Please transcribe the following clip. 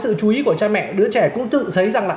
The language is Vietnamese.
sự chú ý của cha mẹ đứa trẻ cũng tự xấy rằng là